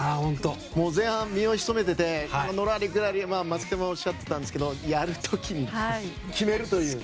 前半、身を潜めていてのらりくらり、松木さんもおっしゃってたんですけどやる時に決めるという。